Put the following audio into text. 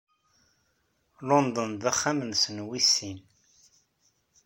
London d axxam-nsen wis sin.